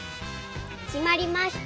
きまりました。